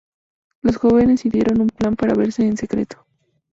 Los jóvenes idearon un plan para verse en secreto.